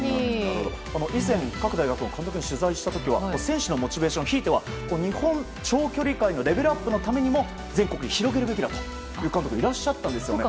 以前、各大学の監督に取材した時には選手のモチベーションひいては日本長距離界のレベルアップのためにも全国に広げるべきだという方がいらっしゃったんですね。